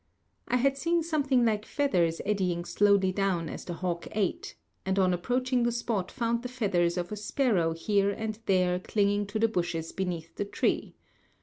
I had seen something like feathers eddying slowly down as the hawk ate, and on approaching the spot found the feathers of a sparrow here and there clinging to the bushes beneath the tree.